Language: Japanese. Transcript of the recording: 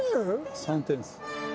３点です。